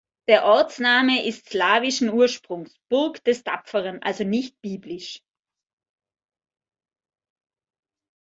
Der Ortsname ist slawischen Ursprungs: „Burg des Tapferen“, also nicht biblisch.